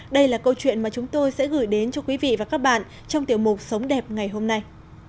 đây là câu chuyện mà chúng tôi sẽ gửi đến cho quý vị và các bạn trong tiểu mục sống đẹp ngày hôm nay